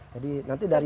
jadi nanti dari